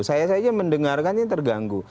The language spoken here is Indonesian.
saya saja mendengarkan yang terganggu